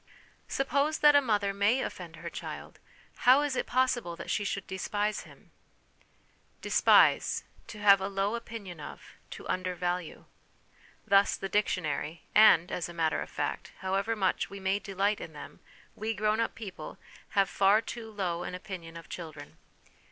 Suppose that a mother may offend her child, how is it possible that she should despise him ?" Despise : to have a low opinion of, to undervalue" thus the dictionary ; and, as a matter of fact, however much we may delight in them, we grown up people have far too low an opinion of children.